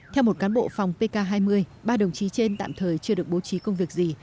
theo một cán bộ phòng pk hai mươi ba đồng chí trên tạm thời chưa được bố trí công việc gì